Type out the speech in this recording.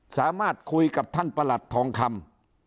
สามารถคุยกับท่านประหลัดทองคำ